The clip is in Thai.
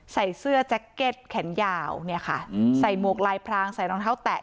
ใส่เสื้อแจ็คเก็ตแขนยาวเนี่ยค่ะใส่หมวกลายพรางใส่รองเท้าแตะ